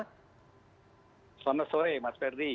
selamat sore mas ferdi